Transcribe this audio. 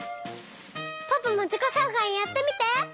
ポポもじこしょうかいやってみて！